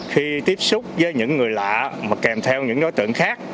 khi tiếp xúc với những người lạ mà kèm theo những đối tượng khác